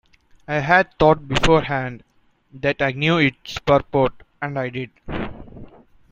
I had thought beforehand that I knew its purport, and I did.